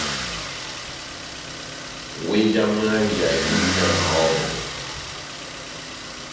Wéh já mwánja indi na mahɔ́ngɔ.